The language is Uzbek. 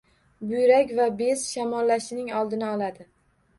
Buyrak va bez shamollashining oldini oladi.